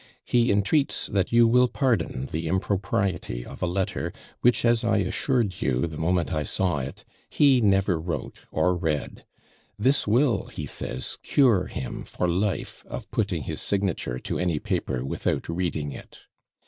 He entreats that you will pardon the impropriety of a letter, which, as I assured you the moment I saw it, he never wrote or read. This will, he says, cure him, for life, of putting his signature to any paper without reading it.